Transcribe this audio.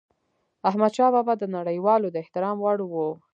احمدشاه بابا د نړيوالو د احترام وړ و.